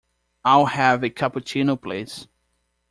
I'll have a cappuccino please.